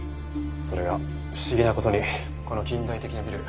それが不思議な事にこの近代的なビル